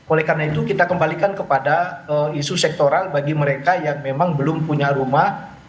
oleh karena itu kita kembalikan kepada isu sektoral bagi mereka yang memang belum punya rumah